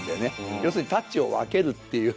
要するにタッチを分けるっていう。